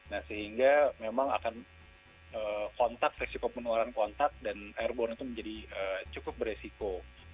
nah sehingga memang akan kontak resiko penularan kontak dan airborne itu menjadi cukup beresiko